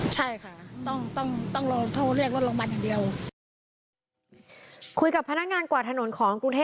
จนสุดท้ายนี่แม่งที่เขามาช่วยค่ะ